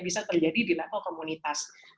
bisa terjadi di level komunitas